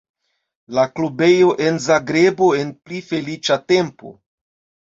La klubejo en Zagrebo en pli feliĉa tempo.